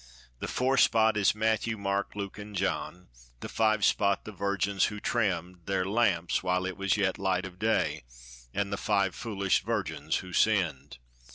The 'four spot' is Matthew, Mark, Luke, an' John; The 'five spot' the virgins who trimmed Their lamps while yet it was light of the day; And the five foolish virgins who sinned.